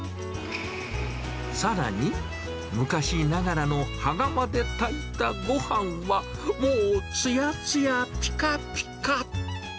さらに、昔ながらの羽釜で炊いたごはんは、もうつやつやぴかぴか。